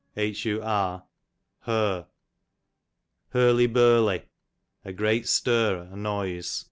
Hur, her. Hurly burly, a great stir, a noise.